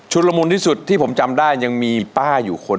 ละมุนที่สุดที่ผมจำได้ยังมีป้าอยู่คน